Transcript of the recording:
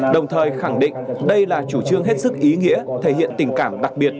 đồng thời khẳng định đây là chủ trương hết sức ý nghĩa thể hiện tình cảm đặc biệt